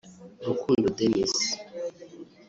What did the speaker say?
Rukundo Denis